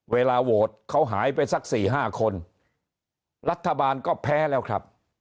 เวลาโหวตเขาหายไปสัก๔๕คนรัฐบาลก็แพ้แล้วครับ